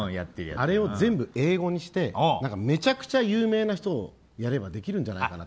あれを全部英語にしてめちゃくちゃ有名な人をやればできるんじゃないかなって。